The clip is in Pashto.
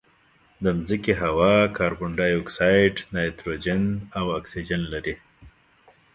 د مځکې هوا کاربن ډای اکسایډ، نایتروجن او اکسیجن لري.